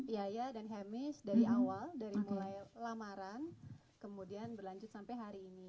yaya dan hemis dari awal dari mulai lamaran kemudian berlanjut sampai hari ini